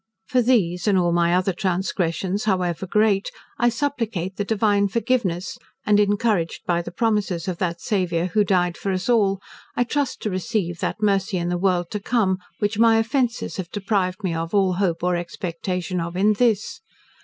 For these, and all my other transgressions, however great, I supplicate the Divine forgiveness; and encouraged by the promises of that Saviour who died for us all, I trust to receive that mercy in the world to come, which my offences have deprived me of all hope, or expectation of, in this.